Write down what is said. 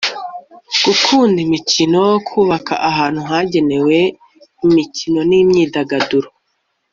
gukunda imikino kubaka ahantu hagenewe imikino n imyidagaduro